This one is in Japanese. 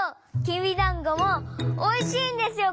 きびだんごもおいしいんですよ